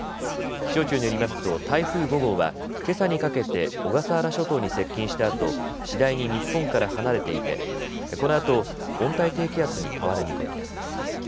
気象庁によりますと台風５号はけさにかけて小笠原諸島に接近したあと次第に日本から離れていてこのあと、温帯低気圧に変わる見込みです。